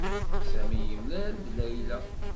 Sami yemlal-d Layla.